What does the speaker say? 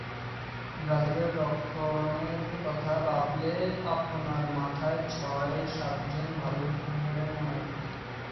ব্রাজিলের রক্ষণের কথা ভাবলে আপনার মাথায় ছয়-সাতজন ভালো ডিফেন্ডারের নাম আসবে।